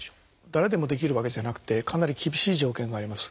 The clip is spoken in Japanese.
誰でもできるわけじゃなくてかなり厳しい条件があります。